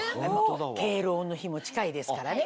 敬老の日も近いですからね。